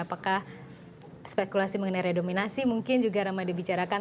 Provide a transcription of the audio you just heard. apakah spekulasi mengenai redominasi mungkin juga ramai dibicarakan